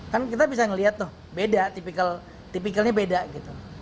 kan kita bisa melihat tuh beda tipikalnya beda gitu